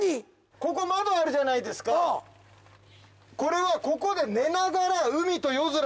ここ窓あるじゃないですかこれはあ！